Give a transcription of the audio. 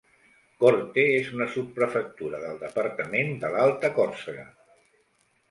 Corte és una subprefectura del departament de l'Alta Còrsega.